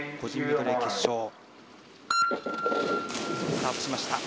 スタートしました。